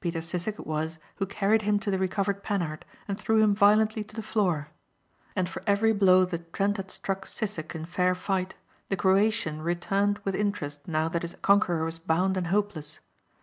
Peter Sissek it was who carried him to the recovered Panhard and threw him violently to the floor. And for every blow that Trent had struck Sissek in fair fight the Croatian returned with interest now that his conqueror was bound and hopeless.